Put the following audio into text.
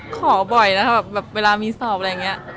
ขอบ่อยแล้วแบบเวลามีสอบอะไรอย่างนี้